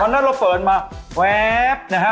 บ้างแคร์เราเปิดมาแวร์ล์ไนฮะ